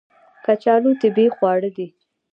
کچالو طبیعي خواړه دي